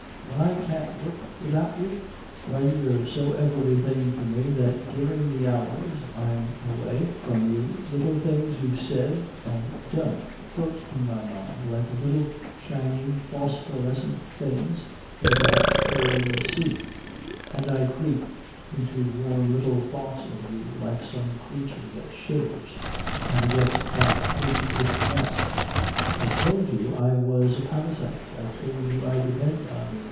When I can't work without you? When you're so everything to me that during the hours I'm away from you little things you've said and done float in my mind like little shining phosphorescent things in a dark cold sea, and I creep into warm little thoughts of you like some creature that shivers and gets back into its nest? I told you I was a parasite. I told you I depend on you.